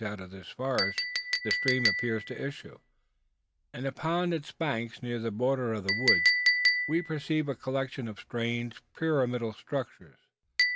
Out of this forest the stream appears to issue; and upon its banks, near the border of the woods, we perceive a collection of strange pyramidal structures.